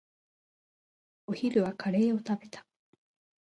お昼はカレーを食べた。